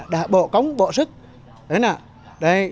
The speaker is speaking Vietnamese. đã bọ cống bọ sức đấy nè